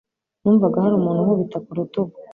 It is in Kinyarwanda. Numvaga hari umuntu unkubita ku rutugu.